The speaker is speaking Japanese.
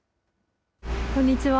こんにちは。